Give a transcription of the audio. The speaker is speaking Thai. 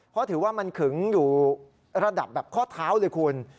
เพราะถือว่ามันขึงอยู่ระดับแบบข้อเท้าเลยคุณ